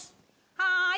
はい。